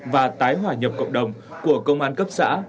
và tái hòa nhập cộng đồng của công an cấp xã